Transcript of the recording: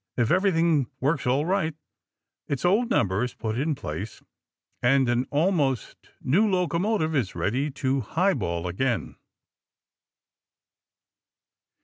If everything works all right, its old number is put in place, and an almost new locomotive is ready to highball again.